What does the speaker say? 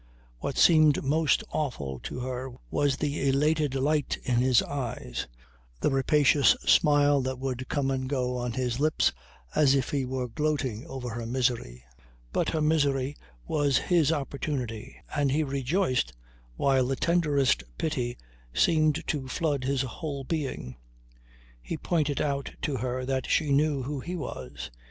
What seemed most awful to her was the elated light in his eyes, the rapacious smile that would come and go on his lips as if he were gloating over her misery. But her misery was his opportunity and he rejoiced while the tenderest pity seemed to flood his whole being. He pointed out to her that she knew who he was.